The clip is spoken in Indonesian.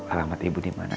alamat ibu dimana